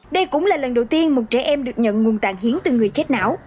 đây cũng là lần đầu tiên một trẻ em được nhận nguồn tạng hiến từ người chết não